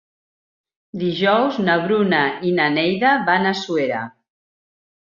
Dijous na Bruna i na Neida van a Suera.